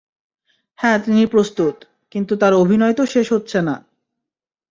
হ্যাঁ তিনি প্রস্তুত, কিন্তু তার অভিনয় তো শেষ হচ্ছে না।